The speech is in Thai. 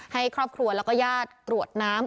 ให้ครอบครัวแล้วก็ญาติกรวดน้ำ